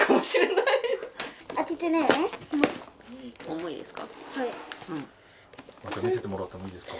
重いですか？